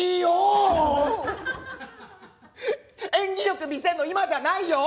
演技力見せんの今じゃないよ？